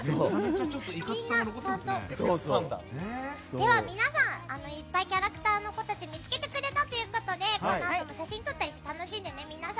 では、皆さんいっぱいキャラクターの子たちを見つけてくれたのでこのあとも写真を撮ったり楽しんでね。